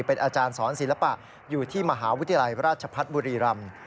เป็นอาจารย์สอนศิลปะอยู่ที่มหาวิทยาลัยราชพัฒน์บุรีรำ